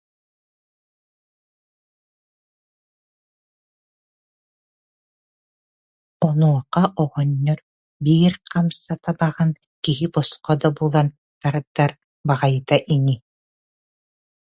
Онуоха оҕонньор: «Биир хамса табаҕы киһи босхо да булан тардар баҕайыта ини»